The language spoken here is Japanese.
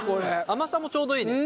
甘さもちょうどいいね。